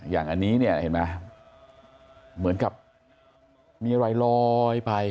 อย่างอันนี้เนี่ยเห็นไหมเหมือนกับมีรอยไป